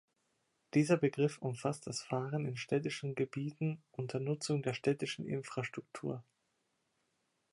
Dieser Begriff umfasst das Fahren in städtischen Gebieten unter Nutzung der städtischen Infrastruktur.